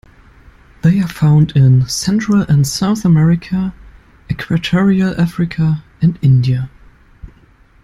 They are found in Central and South America, equatorial Africa and India.